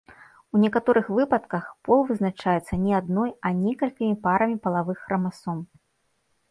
У некаторых выпадках пол вызначаецца не адной, а некалькімі парамі палавых храмасом.